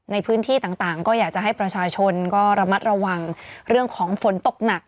ในพื้นที่ต่างก็อยากจะให้ประชาชนก็ระมัดระวังเรื่องของฝนตกหนัก